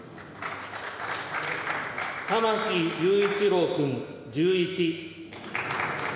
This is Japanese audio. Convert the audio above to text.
玉木雄一郎君１１。